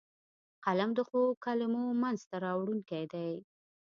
قلم د ښو کلمو منځ ته راوړونکی دی